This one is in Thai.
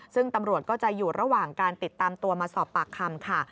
ซึ่งตำรวจก็จะอยู่ระหว่างการติดตามตัวมาสอบปากคำค่ะ